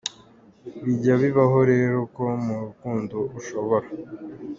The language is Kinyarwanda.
Bijya bibaho rero ko mu rukundo ushobora.